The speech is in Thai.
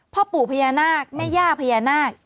พ่อปู่พญานาคแม่ย่าพญานาค